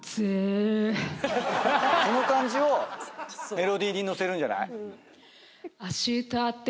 その感じをメロディーに乗せるんじゃない？